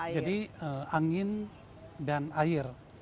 jadi angin dan air